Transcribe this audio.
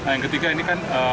yang ketiga ini kan